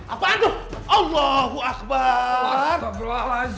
apaan tuh allahu akbar